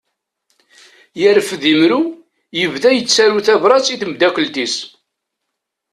Yerfed imru, yebda yettaru tabrat i tmeddakelt-is.